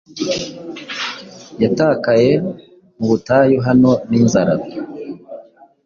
Yatakaye mu butayu hano ninzara